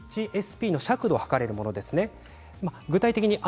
ＨＳＰ尺度を計るものです。